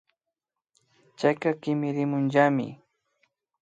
Chayka kimirimunllami